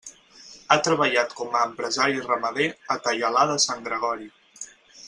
Ha treballat com a empresari ramader a Taialà de Sant Gregori.